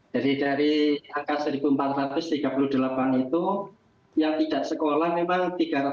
jadi dari angka seribu empat ratus tiga puluh delapan itu yang tidak sekolah memang tiga ratus delapan puluh enam